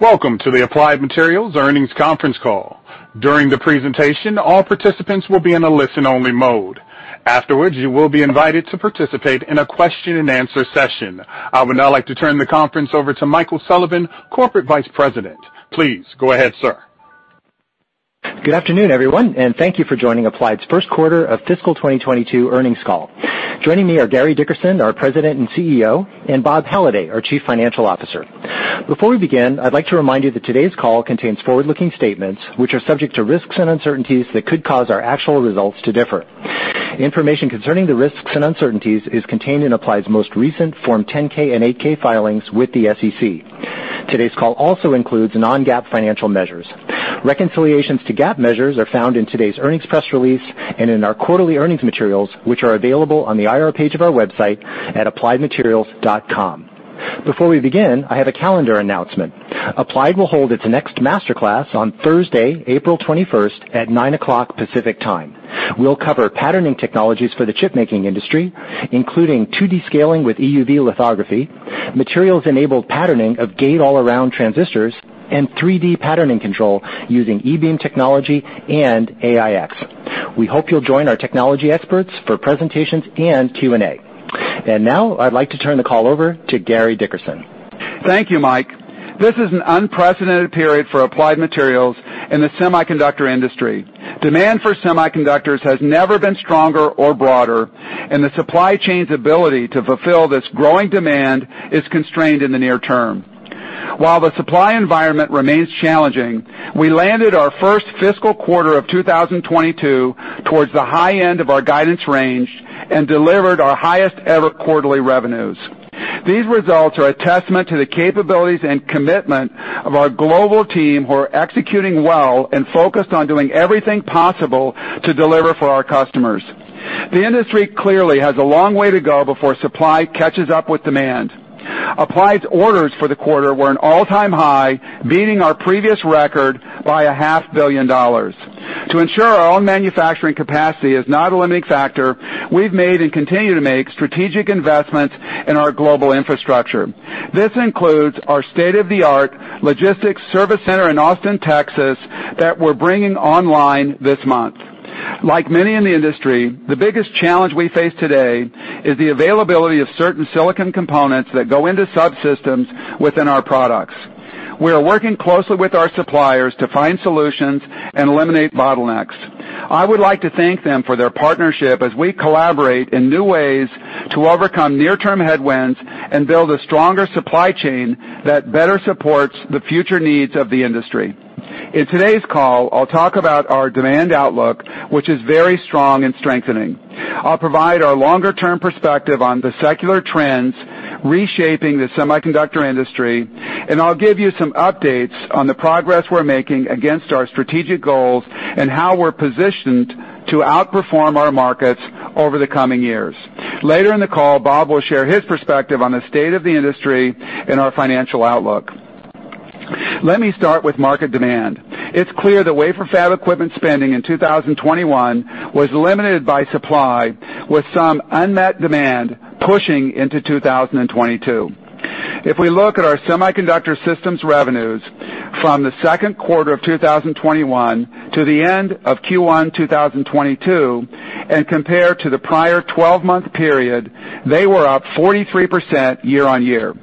Welcome to the Applied Materials Earnings Conference Call. During the presentation, all participants will be in a listen-only mode. Afterwards, you will be invited to participate in a question-and-answer session. I would now like to turn the conference over to Michael Sullivan, Corporate Vice President. Please go ahead, sir. Good afternoon, everyone, and thank you for joining Applied's first quarter of fiscal 2022 earnings call. Joining me are Gary Dickerson, our President and CEO, and Bob Halliday, our Chief Financial Officer. Before we begin, I'd like to remind you that today's call contains forward-looking statements, which are subject to risks and uncertainties that could cause our actual results to differ. Information concerning the risks and uncertainties is contained in Applied's most recent Form 10-K and 8-K filings with the SEC. Today's call also includes non-GAAP financial measures. Reconciliations to GAAP measures are found in today's earnings press release and in our quarterly earnings materials, which are available on the IR page of our website at appliedmaterials.com. Before we begin, I have a calendar announcement. Applied will hold its next master class on Thursday, April 21 at 9:00 A.M. Pacific Time. We'll cover patterning technologies for the chip-making industry, including 2D scaling with EUV lithography, materials-enabled patterning of gate-all-around transistors, and 3D patterning control using e-Beam technology and AIx. We hope you'll join our technology experts for presentations and Q&A. Now I'd like to turn the call over to Gary Dickerson. Thank you, Mike. This is an unprecedented period for Applied Materials in the semiconductor industry. Demand for semiconductors has never been stronger or broader, and the supply chain's ability to fulfill this growing demand is constrained in the near term. While the supply environment remains challenging, we landed our first fiscal quarter of 2022 towards the high end of our guidance range and delivered our highest ever quarterly revenues. These results are a testament to the capabilities and commitment of our global team who are executing well and focused on doing everything possible to deliver for our customers. The industry clearly has a long way to go before supply catches up with demand. Applied's orders for the quarter were an all-time high, beating our previous record by a half billion dollars. To ensure our own manufacturing capacity is not a limiting factor, we've made and continue to make strategic investments in our global infrastructure. This includes our state-of-the-art logistics service center in Austin, Texas, that we're bringing online this month. Like many in the industry, the biggest challenge we face today is the availability of certain silicon components that go into subsystems within our products. We are working closely with our suppliers to find solutions and eliminate bottlenecks. I would like to thank them for their partnership as we collaborate in new ways to overcome near-term headwinds and build a stronger supply chain that better supports the future needs of the industry. In today's call, I'll talk about our demand outlook, which is very strong and strengthening. I'll provide our longer-term perspective on the secular trends reshaping the semiconductor industry, and I'll give you some updates on the progress we're making against our strategic goals and how we're positioned to outperform our markets over the coming years. Later in the call, Bob will share his perspective on the state of the industry and our financial outlook. Let me start with market demand. It's clear that wafer fab equipment spending in 2021 was limited by supply, with some unmet demand pushing into 2022. If we look at our semiconductor systems revenues from the second quarter of 2021 to the end of Q1 2022 and compare to the prior 12-month period, they were up 43% year-on-year.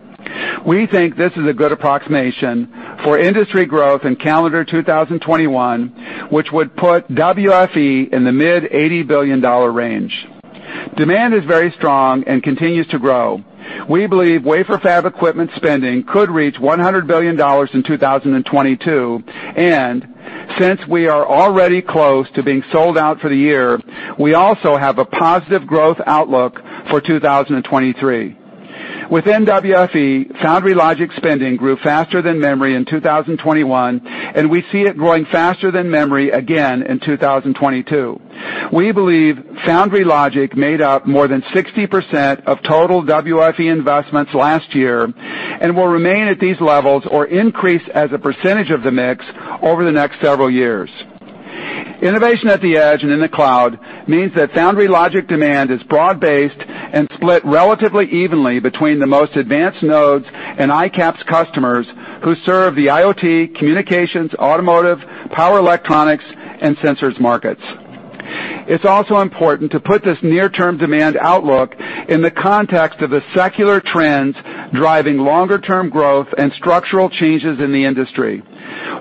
We think this is a good approximation for industry growth in calendar 2021, which would put WFE in the mid-$80 billion range. Demand is very strong and continues to grow. We believe wafer fab equipment spending could reach $100 billion in 2022, and since we are already close to being sold out for the year, we also have a positive growth outlook for 2023. Within WFE, foundry logic spending grew faster than memory in 2021, and we see it growing faster than memory again in 2022. We believe foundry logic made up more than 60% of total WFE investments last year and will remain at these levels or increase as a percentage of the mix over the next several years. Innovation at the edge and in the cloud means that foundry logic demand is broad-based and split relatively evenly between the most advanced nodes and ICAPS customers who serve the IoT, communications, automotive, power electronics, and sensors markets. It's also important to put this near-term demand outlook in the context of the secular trends driving longer-term growth and structural changes in the industry.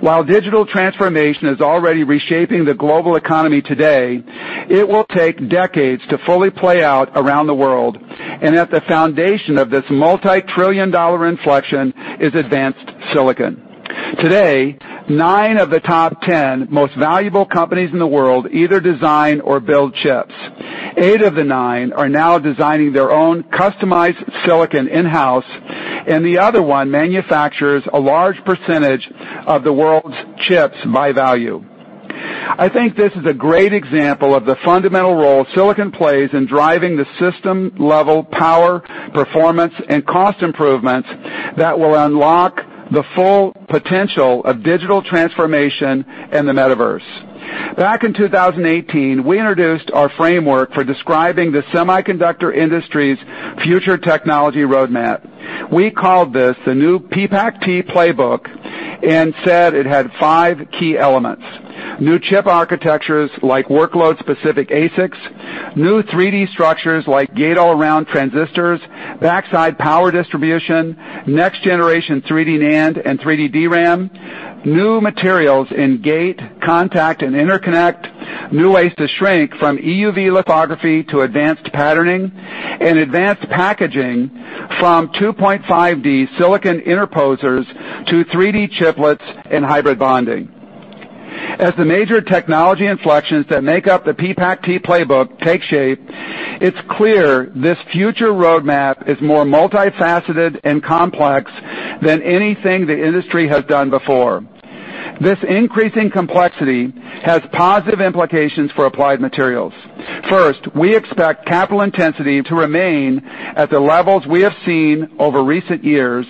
While digital transformation is already reshaping the global economy today, it will take decades to fully play out around the world, and at the foundation of this multi-trillion dollar inflection is advanced silicon. Today, nine of the top ten most valuable companies in the world either design or build chips. Eight of the nine are now designing their own customized silicon in-house, and the other one manufactures a large percentage of the world's chips by value. I think this is a great example of the fundamental role silicon plays in driving the system-level power, performance, and cost improvements that will unlock the full potential of digital transformation in the metaverse. Back in 2018, we introduced our framework for describing the semiconductor industry's future technology roadmap. We called this the new PPACt playbook and said it had five key elements. New chip architectures like workload-specific ASICs, new 3D structures like gate-all-around transistors, backside power distribution, next-generation 3D NAND and 3D DRAM, new materials in gate, contact, and interconnect, new ways to shrink from EUV lithography to advanced patterning and advanced packaging from 2.5D silicon interposers to 3D chiplets and hybrid bonding. As the major technology inflections that make up the PPACt playbook take shape, it is clear this future roadmap is more multifaceted and complex than anything the industry has done before. This increasing complexity has positive implications for Applied Materials. First, we expect capital intensity to remain at the levels we have seen over recent years.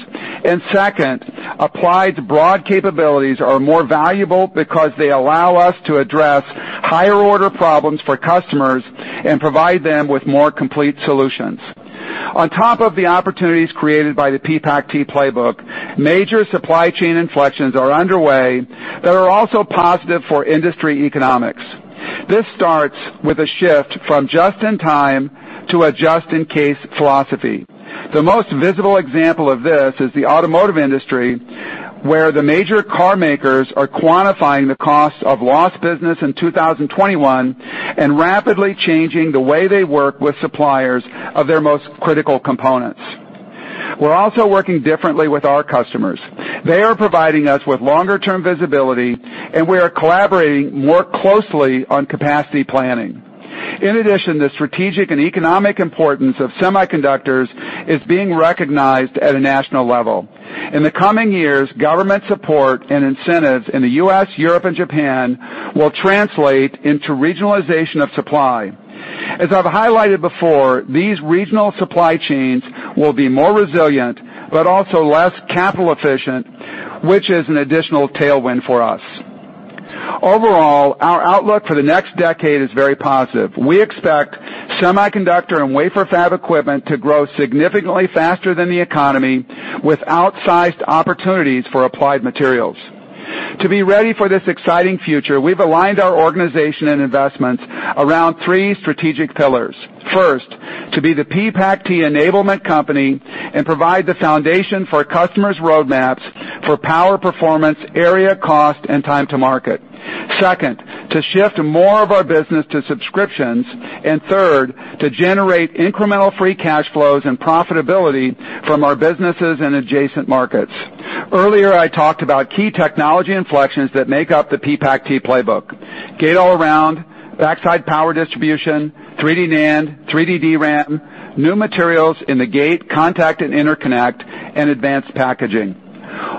Second, Applied's broad capabilities are more valuable because they allow us to address higher-order problems for customers and provide them with more complete solutions. On top of the opportunities created by the PPACt playbook, major supply chain inflections are underway that are also positive for industry economics. This starts with a shift from just-in-time to a just-in-case philosophy. The most visible example of this is the automotive industry, where the major car makers are quantifying the cost of lost business in 2021 and rapidly changing the way they work with suppliers of their most critical components. We're also working differently with our customers. They are providing us with longer-term visibility, and we are collaborating more closely on capacity planning. In addition, the strategic and economic importance of semiconductors is being recognized at a national level. In the coming years, government support and incentives in the U.S., Europe, and Japan will translate into regionalization of supply. As I've highlighted before, these regional supply chains will be more resilient but also less capital efficient, which is an additional tailwind for us. Overall, our outlook for the next decade is very positive. We expect semiconductor and wafer fab equipment to grow significantly faster than the economy with outsized opportunities for Applied Materials. To be ready for this exciting future, we've aligned our organization and investments around three strategic pillars. First, to be the PPACt enablement company and provide the foundation for customers' roadmaps for power, performance, area, cost, and time to market. Second, to shift more of our business to subscriptions. Third, to generate incremental free cash flows and profitability from our businesses in adjacent markets. Earlier, I talked about key technology inflections that make up the PPACt playbook. Gate-all-around, backside power distribution, 3D NAND, 3D DRAM, new materials in the gate, contact, and interconnect, and advanced packaging.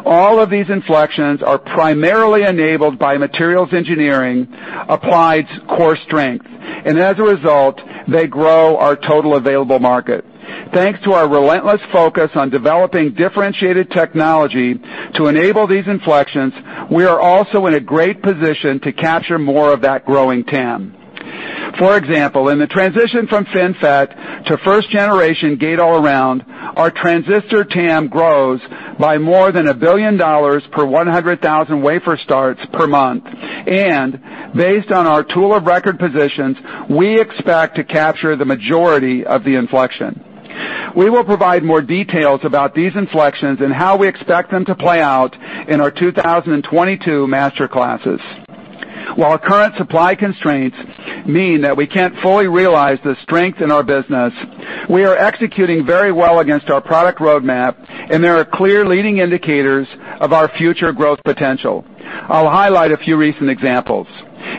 All of these inflections are primarily enabled by materials engineering, Applied's core strength, and as a result, they grow our total available market. Thanks to our relentless focus on developing differentiated technology to enable these inflections, we are also in a great position to capture more of that growing TAM. For example, in the transition from FinFET to first generation gate-all-around, our transistor TAM grows by more than $1 billion per 100,000 wafer starts per month. Based on our tool of record positions, we expect to capture the majority of the inflection. We will provide more details about these inflections and how we expect them to play out in our 2022 master classes. While our current supply constraints mean that we can't fully realize the strength in our business, we are executing very well against our product roadmap, and there are clear leading indicators of our future growth potential. I'll highlight a few recent examples.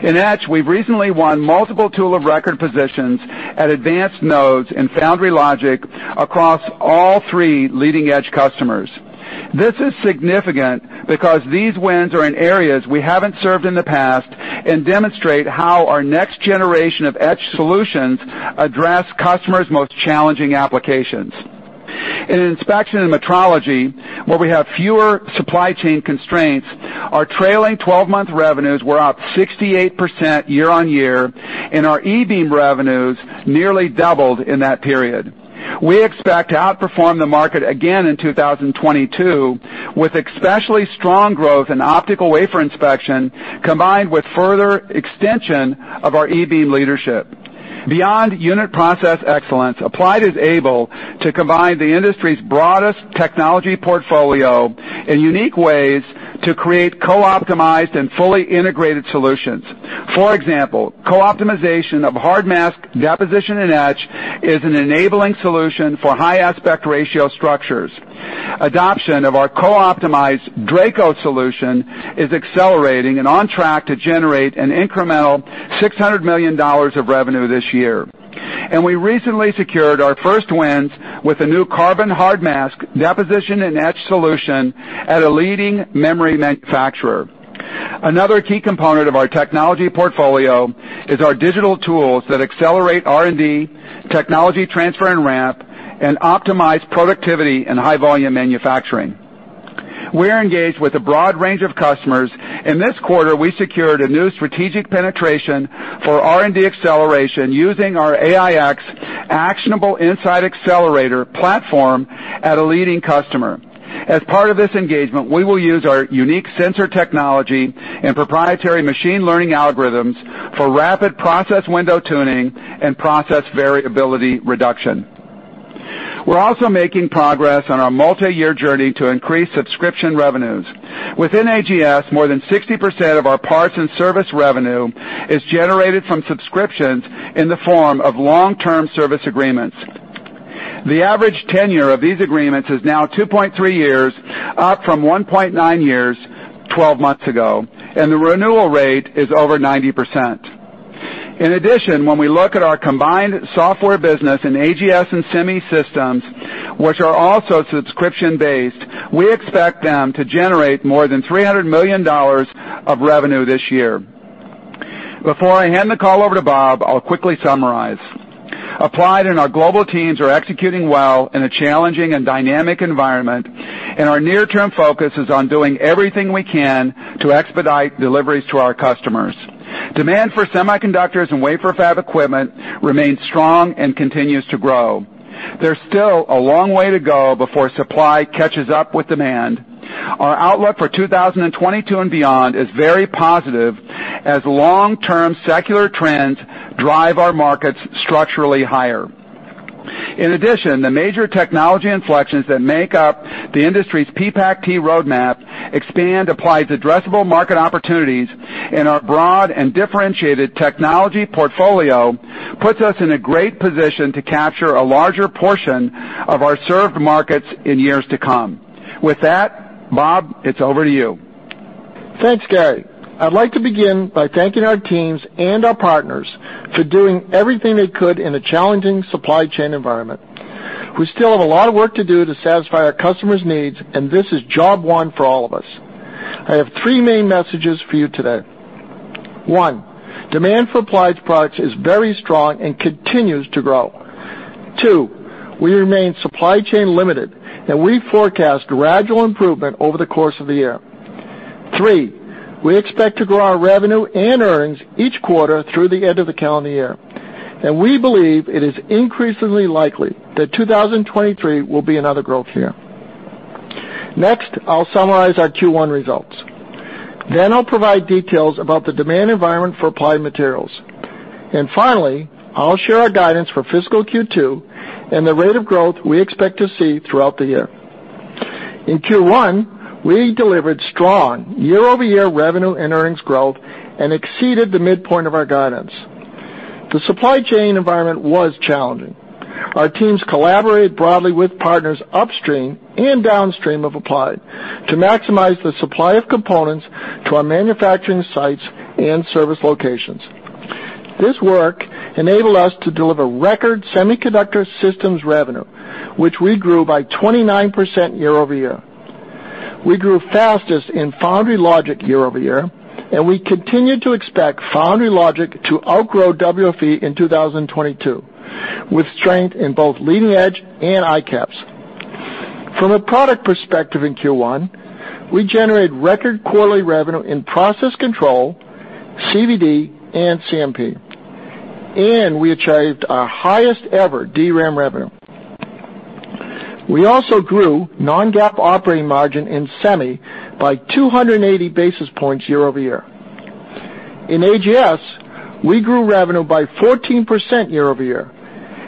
In etch, we've recently won multiple tool of record positions at advanced nodes in foundry logic across all three leading-edge customers. This is significant because these wins are in areas we haven't served in the past and demonstrate how our next generation of etch solutions address customers' most challenging applications. In inspection and metrology, where we have fewer supply chain constraints, our trailing 12-month revenues were up 68% year-over-year, and our e-Beam revenues nearly doubled in that period. We expect to outperform the market again in 2022, with especially strong growth in optical wafer inspection, combined with further extension of our e-Beam leadership. Beyond unit process excellence, Applied is able to combine the industry's broadest technology portfolio in unique ways to create co-optimized and fully integrated solutions. For example, co-optimization of hard mask deposition and etch is an enabling solution for high aspect ratio structures. Adoption of our co-optimized Draco solution is accelerating and on track to generate an incremental $600 million of revenue this year. We recently secured our first wins with a new carbon hard mask deposition and etch solution at a leading memory manufacturer. Another key component of our technology portfolio is our digital tools that accelerate R&D, technology transfer and ramp, and optimize productivity and high-volume manufacturing. We're engaged with a broad range of customers. In this quarter, we secured a new strategic penetration for R&D acceleration using our AIx Actionable Insight Accelerator platform at a leading customer. As part of this engagement, we will use our unique sensor technology and proprietary machine learning algorithms for rapid process window tuning and process variability reduction. We're also making progress on our multi-year journey to increase subscription revenues. Within AGS, more than 60% of our parts and service revenue is generated from subscriptions in the form of long-term service agreements. The average tenure of these agreements is now 2.3 years, up from 1.9 years twelve months ago, and the renewal rate is over 90%. In addition, when we look at our combined software business in AGS and Semi Systems, which are also subscription-based, we expect them to generate more than $300 million of revenue this year. Before I hand the call over to Bob, I'll quickly summarize. Applied and our global teams are executing well in a challenging and dynamic environment, and our near-term focus is on doing everything we can to expedite deliveries to our customers. Demand for semiconductors and wafer fab equipment remains strong and continues to grow. There's still a long way to go before supply catches up with demand. Our outlook for 2022 and beyond is very positive, as long-term secular trends drive our markets structurally higher. In addition, the major technology inflections that make up the industry's PPACt roadmap expand Applied's addressable market opportunities and our broad and differentiated technology portfolio puts us in a great position to capture a larger portion of our served markets in years to come. With that, Bob, it's over to you. Thanks, Gary. I'd like to begin by thanking our teams and our partners for doing everything they could in a challenging supply chain environment. We still have a lot of work to do to satisfy our customers' needs, and this is job one for all of us. I have three main messages for you today. One, demand for Applied's products is very strong and continues to grow. Two, we remain supply-chain limited, and we forecast gradual improvement over the course of the year. Three, we expect to grow our revenue and earnings each quarter through the end of the calendar year. We believe it is increasingly likely that 2023 will be another growth year. Next, I'll summarize our Q1 results. Then I'll provide details about the demand environment for Applied Materials. Finally, I'll share our guidance for fiscal Q2 and the rate of growth we expect to see throughout the year. In Q1, we delivered strong year-over-year revenue and earnings growth and exceeded the midpoint of our guidance. The supply chain environment was challenging. Our teams collaborated broadly with partners upstream and downstream of Applied to maximize the supply of components to our manufacturing sites and service locations. This work enabled us to deliver record semiconductor systems revenue, which we grew by 29% year over year. We grew fastest in Foundry Logic year over year, and we continue to expect Foundry Logic to outgrow WFE in 2022, with strength in both leading edge and ICAPS. From a product perspective in Q1, we generated record quarterly revenue in process control, CVD, and CMP, and we achieved our highest ever DRAM revenue. We also grew non-GAAP operating margin in Semi by 280 basis points year-over-year. In AGS, we grew revenue by 14% year-over-year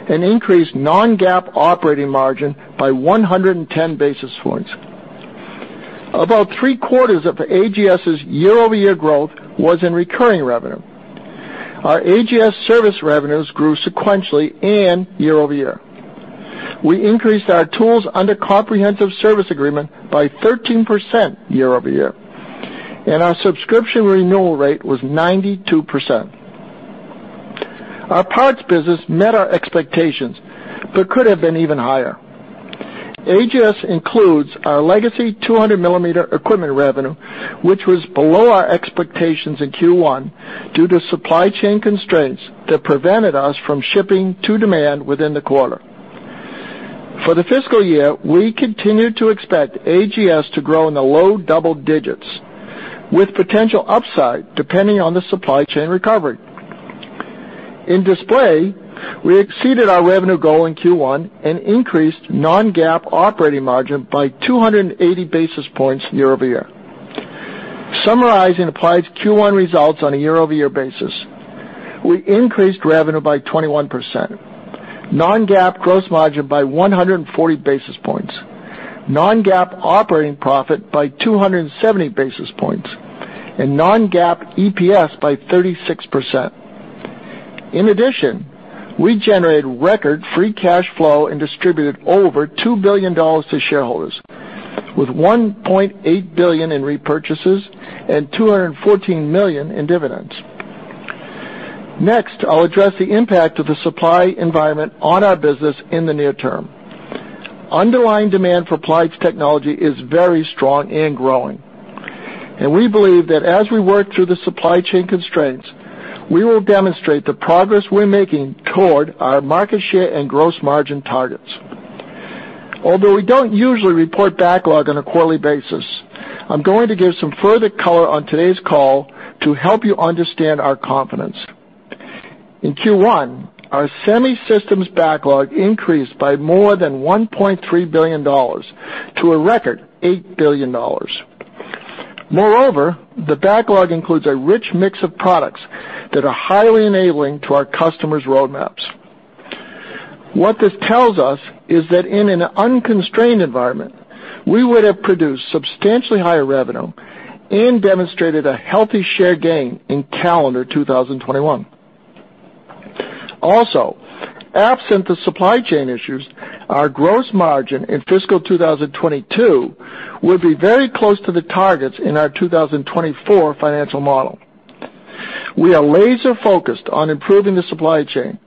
and increased non-GAAP operating margin by 110 basis points. About three-quarters of AGS's year-over-year growth was in recurring revenue. Our AGS service revenues grew sequentially and year-over-year. We increased our tools under comprehensive service agreement by 13% year-over-year, and our subscription renewal rate was 92%. Our parts business met our expectations but could have been even higher. AGS includes our legacy 200-millimeter equipment revenue, which was below our expectations in Q1 due to supply chain constraints that prevented us from shipping to demand within the quarter. For the fiscal year, we continue to expect AGS to grow in the low double digits, with potential upside depending on the supply chain recovery. In Display, we exceeded our revenue goal in Q1 and increased non-GAAP operating margin by 280 basis points year over year. Summarizing Applied's Q1 results on a year-over-year basis, we increased revenue by 21%, non-GAAP gross margin by 140 basis points, non-GAAP operating profit by 270 basis points, and non-GAAP EPS by 36%. In addition, we generated record free cash flow and distributed over $2 billion to shareholders, with $1.8 billion in repurchases and $214 million in dividends. Next, I'll address the impact of the supply environment on our business in the near term. Underlying demand for Applied's technology is very strong and growing. We believe that as we work through the supply chain constraints, we will demonstrate the progress we're making toward our market share and gross margin targets. Although we don't usually report backlog on a quarterly basis, I'm going to give some further color on today's call to help you understand our confidence. In Q1, our semi systems backlog increased by more than $1.3 billion to a record $8 billion. Moreover, the backlog includes a rich mix of products that are highly enabling to our customers' roadmaps. What this tells us is that in an unconstrained environment, we would have produced substantially higher revenue and demonstrated a healthy share gain in calendar 2021. Also, absent the supply chain issues, our gross margin in fiscal 2022 will be very close to the targets in our 2024 financial model. We are laser-focused on improving the supply chain,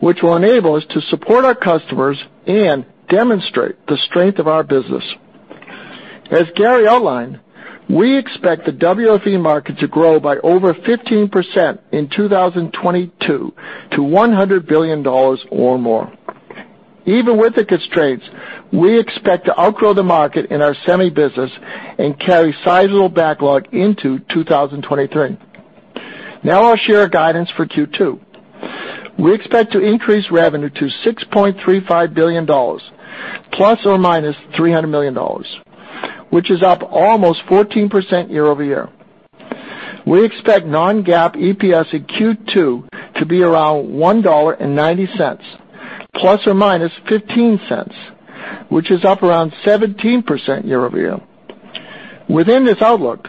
which will enable us to support our customers and demonstrate the strength of our business. As Gary outlined, we expect the WFE market to grow by over 15% in 2022 to $100 billion or more. Even with the constraints, we expect to outgrow the market in our semi business and carry sizable backlog into 2023. Now I'll share our guidance for Q2. We expect to increase revenue to $6.35 billion ± $300 million, which is up almost 14% year-over-year. We expect non-GAAP EPS in Q2 to be around $1.90 ± $0.15, which is up around 17% year-over-year. Within this outlook,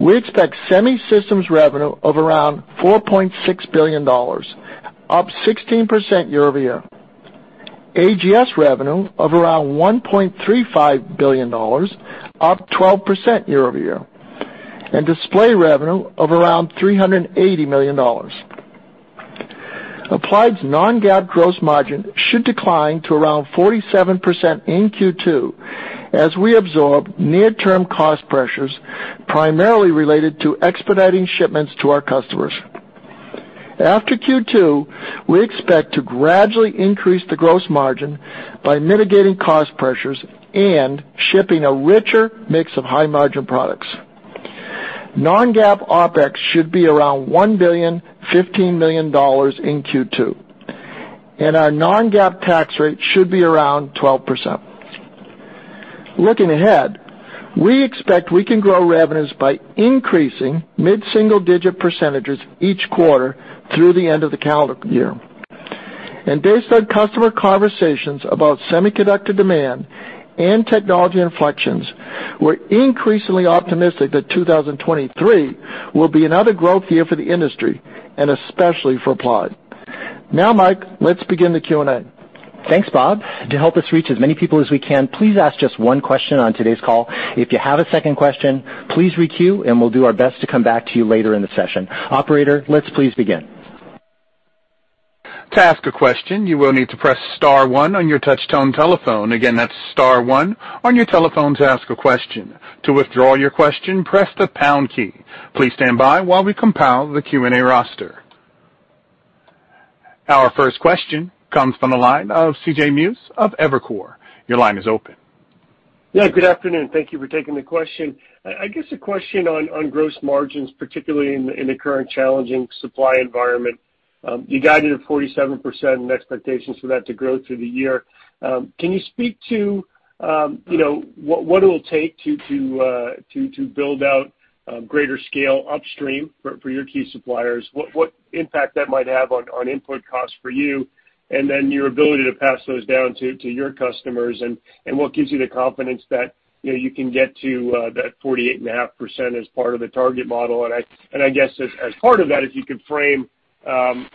we expect semi systems revenue of around $4.6 billion, up 16% year-over-year. AGS revenue of around $1.35 billion, up 12% year-over-year, and display revenue of around $380 million. Applied's non-GAAP gross margin should decline to around 47% in Q2 as we absorb near-term cost pressures primarily related to expediting shipments to our customers. After Q2, we expect to gradually increase the gross margin by mitigating cost pressures and shipping a richer mix of high-margin products. Non-GAAP OpEx should be around $1.015 billion in Q2, and our non-GAAP tax rate should be around 12%. Looking ahead, we expect we can grow revenues by increasing mid-single-digit % each quarter through the end of the calendar year. Based on customer conversations about semiconductor demand and technology inflections, we're increasingly optimistic that 2023 will be another growth year for the industry and especially for Applied. Now, Mike, let's begin the Q&A. Thanks, Bob. To help us reach as many people as we can, please ask just one question on today's call. If you have a second question, please re-queue, and we'll do our best to come back to you later in the session. Operator, let's please begin. To ask a question, you will need to press star one on your touchtone telephone. Again, that's star one on your telephone to ask a question. To withdraw your question, press the pound key. Please stand by while we compile the Q&A roster. Our first question comes from the line of CJ Muse of Evercore. Your line is open. Yeah, good afternoon. Thank you for taking the question. I guess a question on gross margins, particularly in the current challenging supply environment. You guided at 47% in expectations for that to grow through the year. Can you speak to you know what it'll take to build out a greater scale upstream for your key suppliers? What impact that might have on input costs for you? And then your ability to pass those down to your customers and what gives you the confidence that you know you can get to that 48.5% as part of the target model? I guess as part of that, if you could frame,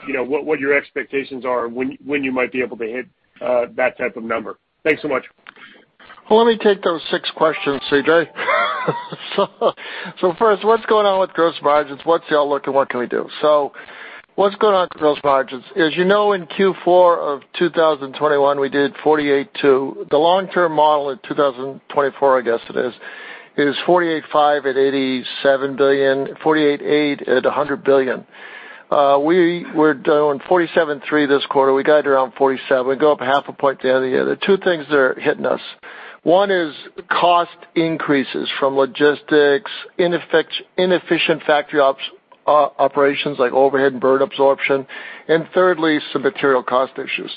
you know, what your expectations are and when you might be able to hit, that type of number. Thanks so much. Well, let me take those six questions, CJ So first, what's going on with gross margins? What's the outlook, and what can we do? So what's going on with gross margins? As you know, in Q4 of 2021, we did 48.2%. The long-term model in 2024, I guess it is 48.5% at $87 billion, 48.8% at $100 billion. We were doing 47.3% this quarter. We guided around 47%. We go up 0.5 point the other year. The two things that are hitting us, one is cost increases from logistics, inefficient factory operations like overhead and burn absorption, and thirdly, some material cost issues.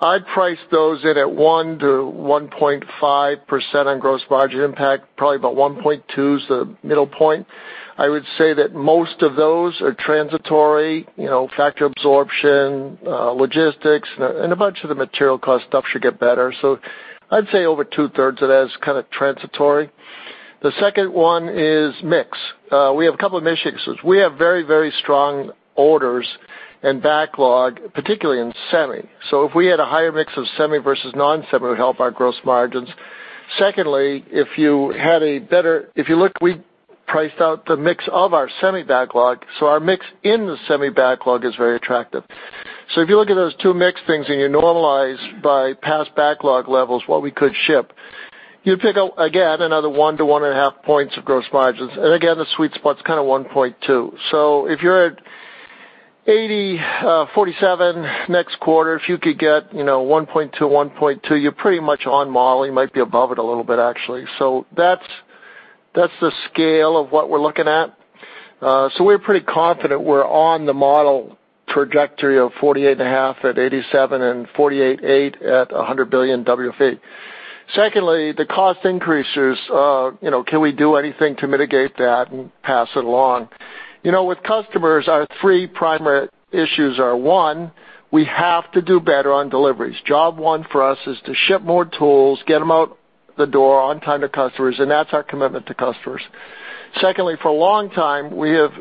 I'd price those in at 1%-1.5% on gross margin impact, probably about 1.2% is the middle point. I would say that most of those are transitory, you know, factor absorption, logistics, and a bunch of the material cost stuff should get better. I'd say over two-thirds of that is kind of transitory. The second one is mix. We have a couple of mix issues. We have very, very strong orders and backlog, particularly in semi. If we had a higher mix of semi versus non-semi, it would help our gross margins. Secondly, if you look, we priced out the mix of our semi backlog, so our mix in the semi backlog is very attractive. If you look at those two mix things and you normalize by past backlog levels what we could ship, you'd pick up again another 1-1.5 points of gross margins. The sweet spot's kind of 1.2. If you're at 80, 47 next quarter, if you could get, you know, 1.2, 1.2, you're pretty much on modeling, might be above it a little bit actually. That's the scale of what we're looking at. We're pretty confident we're on the model trajectory of 48.5 at 87 and 48.8 at $100 billion WFE. Secondly, the cost increases, you know, can we do anything to mitigate that and pass it along? You know, with customers, our three primary issues are, one, we have to do better on deliveries. Job one for us is to ship more tools, get them out the door on time to customers, and that's our commitment to customers. Secondly, for a long time, we have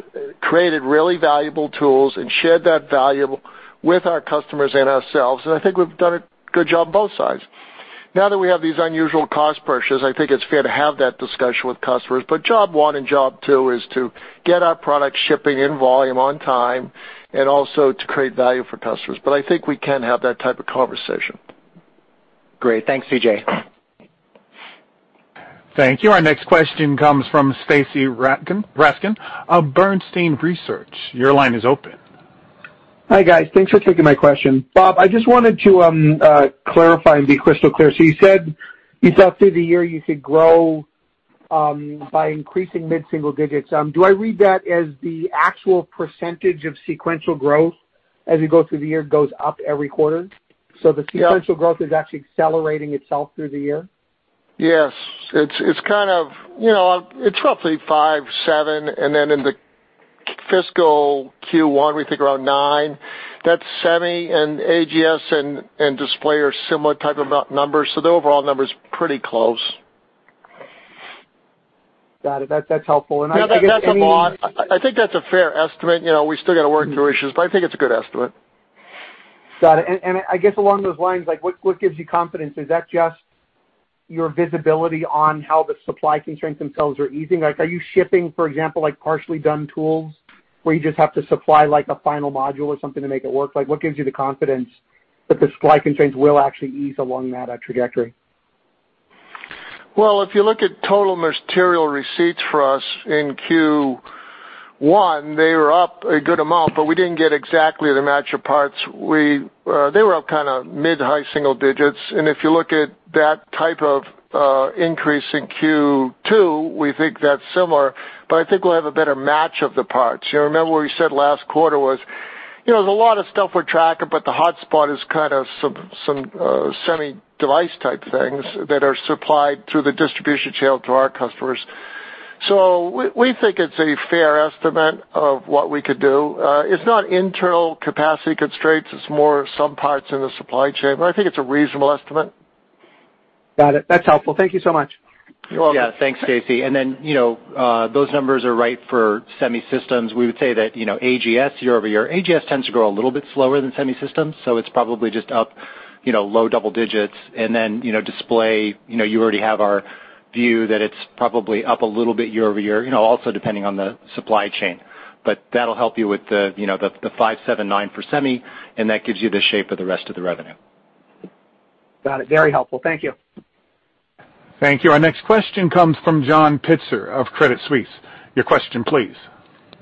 created really valuable tools and shared that value with our customers and ourselves, and I think we've done a good job both sides. Now that we have these unusual cost pressures, I think it's fair to have that discussion with customers, but job one and job two is to get our products shipping in volume on time and also to create value for customers. I think we can have that type of conversation. Great. Thanks, CJ. Thank you. Our next question comes from Stacy Rasgon of Bernstein Research. Your line is open. Hi, guys. Thanks for taking my question. Bob, I just wanted to clarify and be crystal clear. You said you thought through the year you could grow by increasing mid-single digits. Do I read that as the actual percentage of sequential growth as you go through the year goes up every quarter? Yeah. The sequential growth is actually accelerating itself through the year? Yes. It's kind of, you know, roughly 5%, 7%, and then in fiscal Q1, we think around 9%. That's Semi and AGS and Display are similar type of numbers, so the overall number's pretty close. Got it. That's helpful. I guess any- That's a lot. I think that's a fair estimate. You know, we still got to work through issues, but I think it's a good estimate. Got it. I guess along those lines, like, what gives you confidence? Is that just your visibility on how the supply constraints themselves are easing? Like, are you shipping, for example, like partially done tools where you just have to supply like a final module or something to make it work? Like, what gives you the confidence that the supply constraints will actually ease along that trajectory? Well, if you look at total material receipts for us in Q1, they were up a good amount, but we didn't get exactly the match of parts. They were up kind of mid-high single digits. If you look at that type of increase in Q2, we think that's similar, but I think we'll have a better match of the parts. You remember what we said last quarter was, you know, there's a lot of stuff we're tracking, but the hotspot is kind of some semi device type things that are supplied through the distribution channel to our customers. We think it's a fair estimate of what we could do. It's not internal capacity constraints, it's more some parts in the supply chain, but I think it's a reasonable estimate. Got it. That's helpful. Thank you so much. You're welcome. Yeah. Thanks, Stacy. Then, you know, those numbers are right for semi systems. We would say that, you know, AGS year-over-year, AGS tends to grow a little bit slower than semi systems, so it's probably just up, you know, low double digits. Then, you know, display, you know, you already have our view that it's probably up a little bit year-over-year, you know, also depending on the supply chain. That'll help you with the, you know, the 579 for semi, and that gives you the shape of the rest of the revenue. Got it. Very helpful. Thank you. Thank you. Our next question comes from John Pitzer of Credit Suisse. Your question please.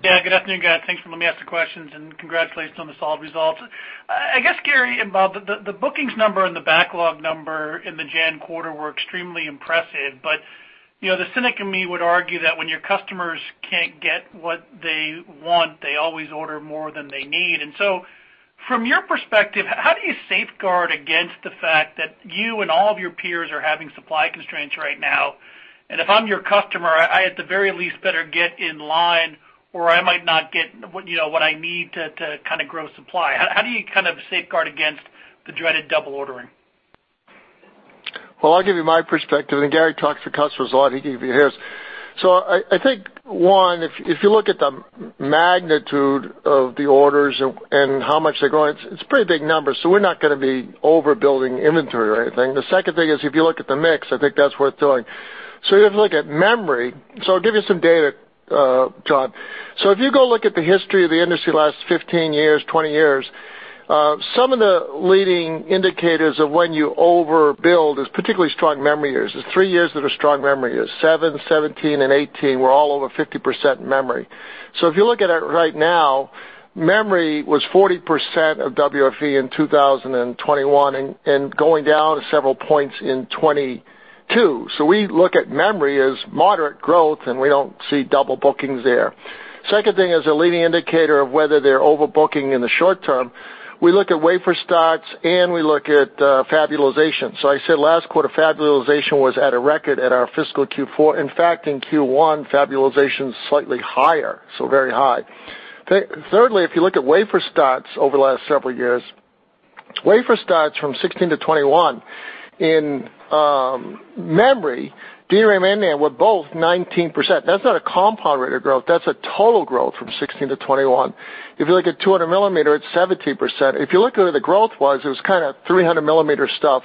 Yeah, good afternoon, guys. Thanks for letting me ask the questions, and congratulations on the solid results. I guess, Gary and Bob, the bookings number and the backlog number in the Jan quarter were extremely impressive. You know, the cynic in me would argue that when your customers can't get what they want, they always order more than they need. From your perspective, how do you safeguard against the fact that you and all of your peers are having supply constraints right now, and if I'm your customer, I at the very least better get in line or I might not get what, you know, what I need to kind of grow supply. How do you kind of safeguard against the dreaded double ordering? Well, I'll give you my perspective, and Gary talks to customers a lot. He can give you his. I think, one, if you look at the magnitude of the orders and how much they're growing, it's a pretty big number, so we're not gonna be overbuilding inventory or anything. The second thing is, if you look at the mix, I think that's worth doing. If you look at memory. I'll give you some data, John. If you go look at the history of the industry the last 15 years, 20 years, some of the leading indicators of when you overbuild is particularly strong memory years. The three years that are strong memory years, 7, 17, and 18 were all over 50% memory. If you look at it right now, memory was 40% of WFE in 2021 and going down several points in 2022. We look at memory as moderate growth, and we don't see double bookings there. Second thing is a leading indicator of whether they're overbooking in the short term, we look at wafer starts and we look at fab utilization. I said last quarter, fab utilization was at a record at our fiscal Q4. In fact, in Q1, fab utilization is slightly higher, so very high. Thirdly, if you look at wafer starts over the last several years, wafer starts from 2016 to 2021 in memory, DRAM and NAND were both 19%. That's not a compound rate of growth, that's a total growth from 2016 to 2021. If you look at 200-millimeter, it's 17%. If you look where the growth was, it was kind of 300-millimeter stuff.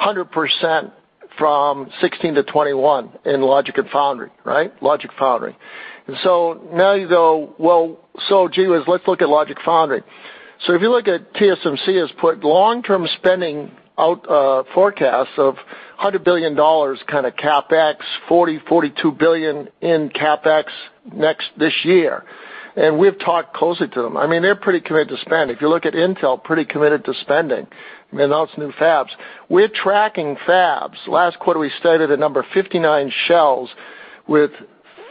100% from 2016 to 2021 in logic and foundry, right? Logic foundry. Now you go, well, so gee, whiz, let's look at logic foundry. If you look, TSMC has put long-term spending out, forecasts of $100 billion kind of CapEx, $40 billion-$42 billion in CapEx next this year. We've talked closely to them. I mean, they're pretty committed to spend. If you look at Intel, pretty committed to spending and announcing new fabs. We're tracking fabs. Last quarter, we started at 59 shells with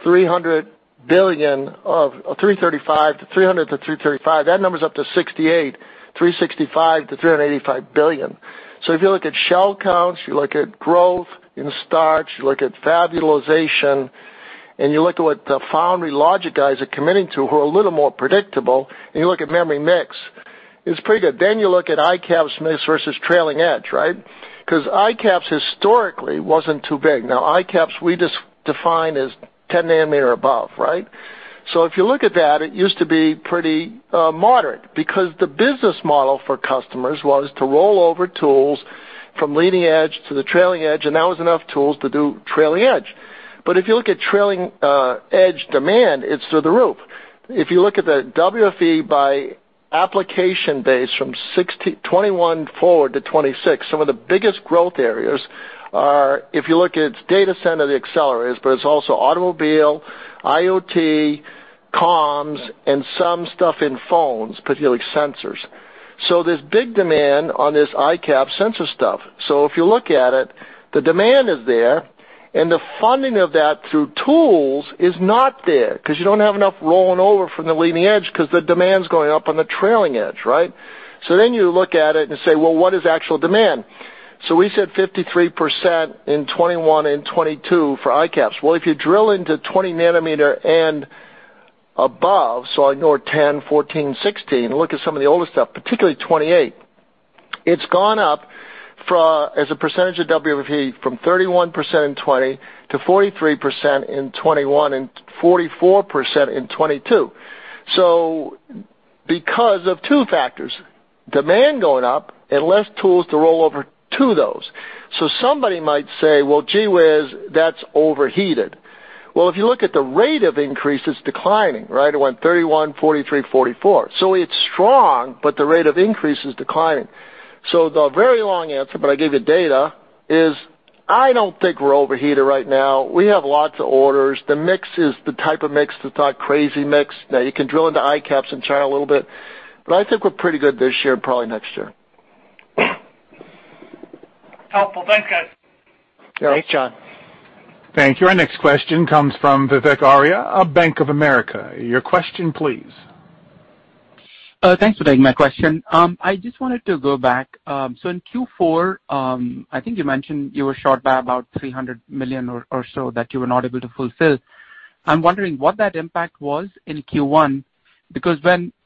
$300 billion-$335 billion. That number's up to 68, $365 billion-$385 billion. If you look at chip counts, you look at growth in starts, you look at fab utilization, and you look at what the foundry logic guys are committing to, who are a little more predictable, and you look at memory mix, it's pretty good. You look at ICAPS mix versus trailing edge, right? Because ICAPS historically wasn't too big. Now ICAPS we just define as 10 nm above, right? If you look at that, it used to be pretty moderate because the business model for customers was to roll over tools from leading edge to the trailing edge, and that was enough tools to do trailing edge. If you look at trailing edge demand, it's through the roof. If you look at the WFE by application base from 2021 forward to 2026, some of the biggest growth areas are if you look at its data center, the accelerators, but it's also automobile, IoT, comms, and some stuff in phones, particularly sensors. There's big demand on this ICAPS sensor stuff. If you look at it, the demand is there, and the funding of that through tools is not there because you don't have enough rolling over from the leading edge because the demand's going up on the trailing edge, right? Then you look at it and say, "Well, what is actual demand?" We said 53% in 2021 and 2022 for ICAPS. Well, if you drill into 20 nm and above, ignore 10, 14, 16, look at some of the older stuff, particularly 28, it's gone up as a percentage of WFE from 31% in 2020 to 43% in 2021 and 44% in 2022. Because of two factors, demand going up and less tools to roll over to those. Somebody might say, "Well, gee whiz, that's overheated." Well, if you look at the rate of increase, it's declining, right? It went 31, 43, 44. It's strong, but the rate of increase is declining. The very long answer, but I gave you data, is I don't think we're overheated right now. We have lots of orders. The mix is the type of mix that's not crazy mix. Now you can drill into ICAPS and China a little bit, but I think we're pretty good this year and probably next year. Helpful. Thanks, guys. Yeah. Thanks, John. Thank you. Our next question comes from Vivek Arya of Bank of America. Your question, please. Thanks for taking my question. I just wanted to go back. In Q4, I think you mentioned you were short by about $300 million or so that you were not able to fulfill. I'm wondering what that impact was in Q1, because,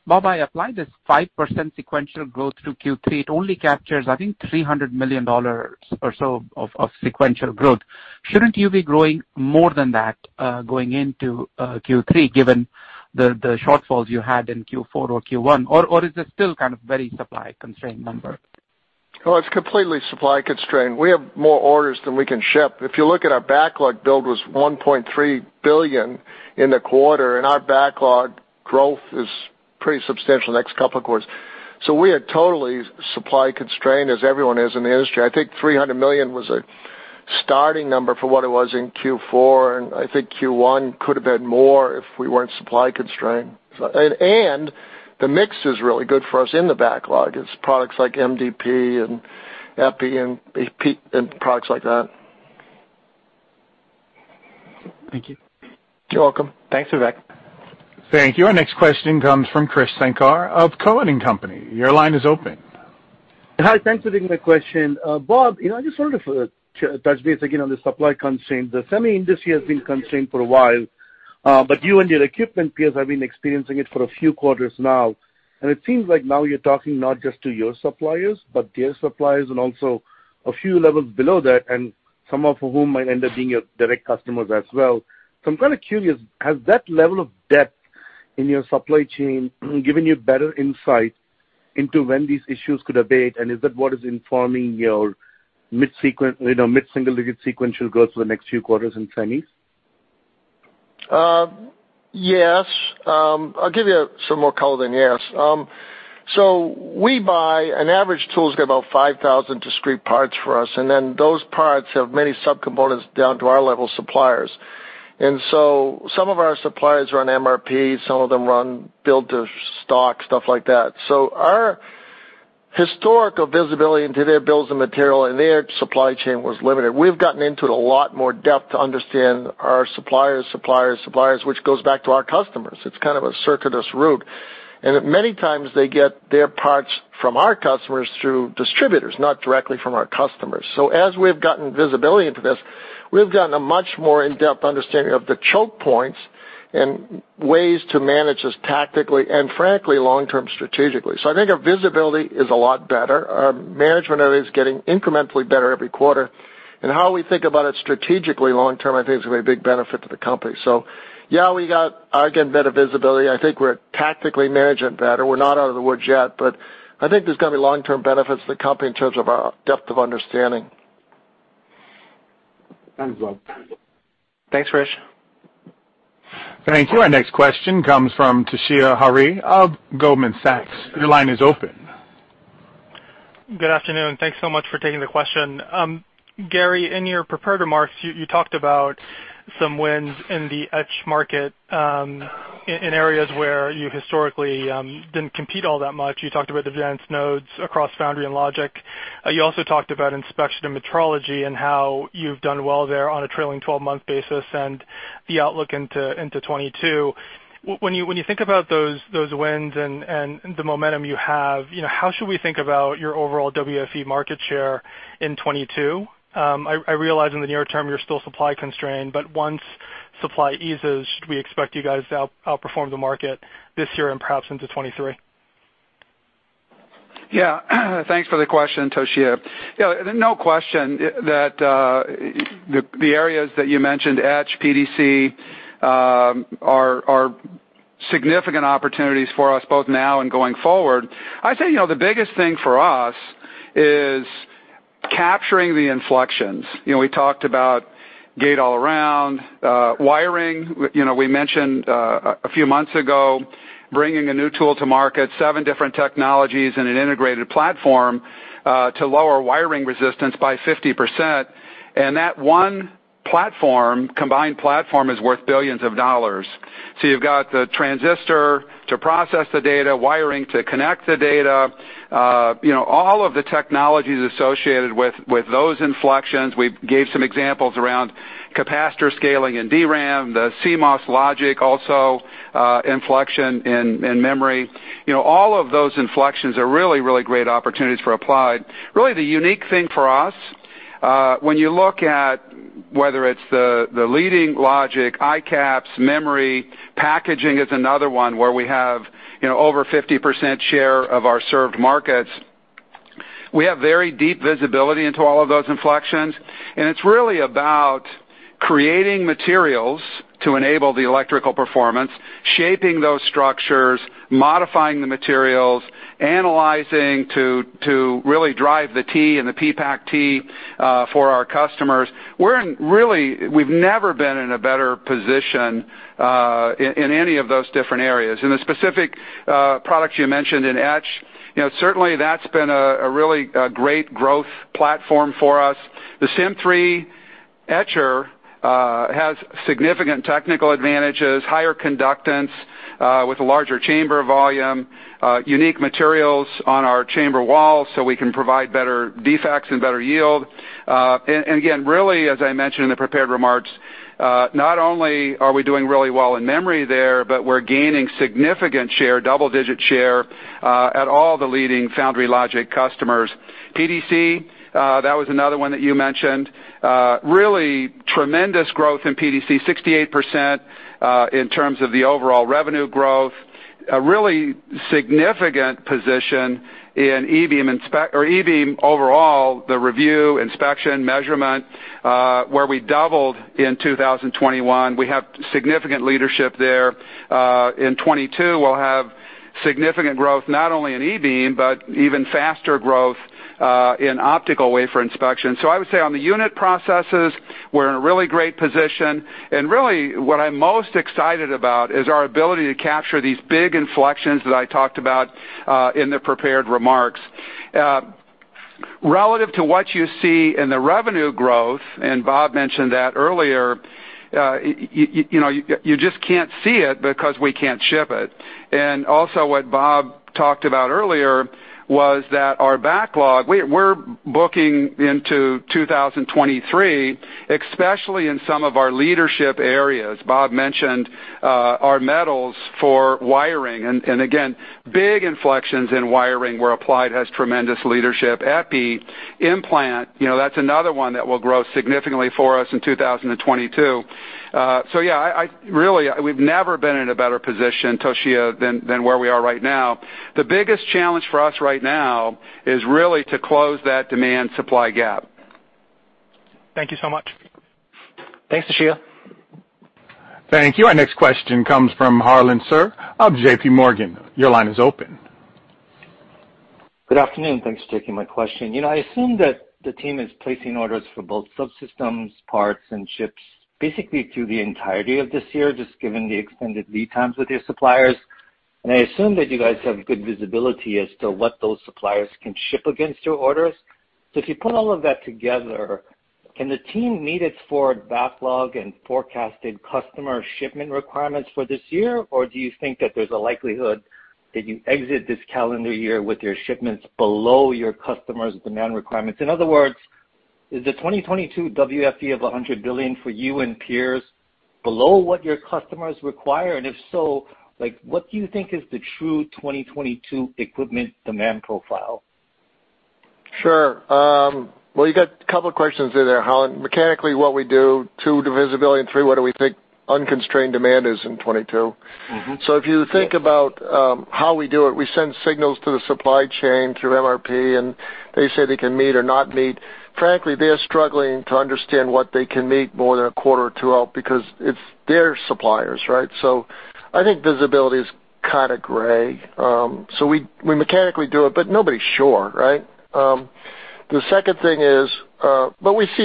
Bob, I apply this 5% sequential growth through Q3, it only captures, I think, $300 million or so of sequential growth. Shouldn't you be growing more than that going into Q3, given the shortfalls you had in Q4 or Q1? Or is this still kind of very supply-constrained number? No, it's completely supply-constrained. We have more orders than we can ship. If you look at our backlog build was $1.3 billion in the quarter, and our backlog growth is pretty substantial the next couple of quarters. We are totally supply-constrained as everyone is in the industry. I think $300 million was a starting number for what it was in Q4, and I think Q1 could have been more if we weren't supply-constrained. The mix is really good for us in the backlog. It's products like MDP and Epi, and products like that. Thank you. You're welcome. Thanks, Vivek. Thank you. Our next question comes from Krish Sankar of Cowen and Company. Your line is open. Hi. Thanks for taking my question. Bob, you know, I just wanted to touch base again on the supply constraint. The semi industry has been constrained for a while, but you and your equipment peers have been experiencing it for a few quarters now, and it seems like now you're talking not just to your suppliers, but their suppliers and also a few levels below that, and some of whom might end up being your direct customers as well. I'm kind of curious, has that level of depth in your supply chain given you better insight into when these issues could abate? Is that what is informing your mid-single-digit sequential growth for the next few quarters in semis? Yes. I'll give you some more color than yes. We buy an average tool's got about 5,000 discrete parts for us, and then those parts have many subcomponents down to our level suppliers. Some of our suppliers run MRP, some of them run build to stock, stuff like that. Our historical visibility into their bills of material and their supply chain was limited. We've gotten into it a lot more depth to understand our suppliers, suppliers, which goes back to our customers. It's kind of a circuitous route. Many times they get their parts from our customers through distributors, not directly from our customers. As we've gotten visibility into this, we've gotten a much more in-depth understanding of the choke points and ways to manage this tactically and frankly, long-term strategically. I think our visibility is a lot better. Our management of it is getting incrementally better every quarter. How we think about it strategically long term, I think is gonna be a big benefit to the company. Yeah, we got, again, better visibility. I think we're tactically managing better. We're not out of the woods yet, but I think there's gonna be long-term benefits to the company in terms of our depth of understanding. Thanks, Bob. Thanks, Krish. Thank you. Our next question comes from Toshiya Hari of Goldman Sachs. Your line is open. Good afternoon, and thanks so much for taking the question. Gary, in your prepared remarks, you talked about some wins in the etch market, in areas where you historically didn't compete all that much. You talked about the advanced nodes across foundry and logic. You also talked about inspection and metrology and how you've done well there on a trailing twelve-month basis and the outlook into 2022. When you think about those wins and the momentum you have, you know, how should we think about your overall WFE market share in 2022? I realize in the near term you're still supply constrained, but once supply eases, should we expect you guys to outperform the market this year and perhaps into 2023? Thanks for the question, Toshiya. No question that the areas that you mentioned, etch, PDC, are significant opportunities for us both now and going forward. I'd say, you know, the biggest thing for us is capturing the inflections. You know, we talked about gate-all-around, wiring. You know, we mentioned a few months ago, bringing a new tool to market, seven different technologies in an integrated platform to lower wiring resistance by 50%. That one platform, combined platform, is worth billions of dollars. You've got the transistor to process the data, wiring to connect the data, you know, all of the technologies associated with those inflections. We gave some examples around capacitor scaling in DRAM, the CMOS logic also, inflection in memory. You know, all of those inflections are really great opportunities for Applied. Really the unique thing for us, when you look at whether it's the leading logic, ICAPS, memory, packaging is another one where we have, you know, over 50% share of our served markets. We have very deep visibility into all of those inflections, and it's really about creating materials to enable the electrical performance, shaping those structures, modifying the materials, analyzing to really drive the T and the PPACt for our customers. We've never been in a better position in any of those different areas. In the specific products you mentioned in etch, you know, certainly that's been a really great growth platform for us. The Sym3 etcher has significant technical advantages, higher conductance with a larger chamber volume, unique materials on our chamber walls, so we can provide better defects and better yield. Again, really, as I mentioned in the prepared remarks, not only are we doing really well in memory there, but we're gaining significant share, double-digit share at all the leading foundry logic customers. PDC, that was another one that you mentioned. Really tremendous growth in PDC, 68% in terms of the overall revenue growth. A really significant position in e-Beam overall, the review, inspection, measurement, where we doubled in 2021. We have significant leadership there. In 2022, we'll have significant growth, not only in e-Beam, but even faster growth in optical wafer inspection. I would say on the unit processes, we're in a really great position. Really what I'm most excited about is our ability to capture these big inflections that I talked about in the prepared remarks. Relative to what you see in the revenue growth, and Bob mentioned that earlier, you know, you just can't see it because we can't ship it. Also, what Bob talked about earlier was that our backlog, we're booking into 2023, especially in some of our leadership areas. Bob mentioned our metals for wiring, and again, big inflections in wiring where Applied has tremendous leadership. EPI implant, you know, that's another one that will grow significantly for us in 2022. Yeah, really, we've never been in a better position, Toshiya, than where we are right now. The biggest challenge for us right now is really to close that demand supply gap. Thank you so much. Thanks, Toshiya. Thank you. Our next question comes from Harlan Sur of JPMorgan. Your line is open. Good afternoon, thanks for taking my question. You know, I assume that the team is placing orders for both subsystems, parts, and ships basically through the entirety of this year, just given the extended lead times with your suppliers. I assume that you guys have good visibility as to what those suppliers can ship against your orders. If you put all of that together, can the team meet its forward backlog and forecasted customer shipment requirements for this year? Do you think that there's a likelihood that you exit this calendar year with your shipments below your customers' demand requirements? In other words, is the 2022 WFE of $100 billion for you and peers below what your customers require? If so, like, what do you think is the true 2022 equipment demand profile? Sure. Well, you got a couple questions in there, Harlan. Mechanically, what we do, two, visibility, and three, what do we think unconstrained demand is in 2022. Mm-hmm. If you think about how we do it, we send signals to the supply chain through MRP, and they say they can meet or not meet. Frankly, they are struggling to understand what they can meet more than a quarter or two out because it's their suppliers, right? I think visibility is kind of gray. We mechanically do it, but nobody's sure, right? The second thing is what